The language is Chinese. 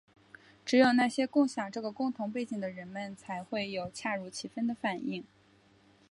只有那些共享这个共同背景的人们才会有恰如其分的反应。